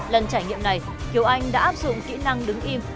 lần trải nghiệm này kiều anh đã áp dụng kỹ năng đứng im